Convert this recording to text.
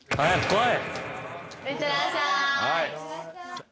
はい。